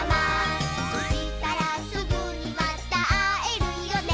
「そしたらすぐにまたあえるよね」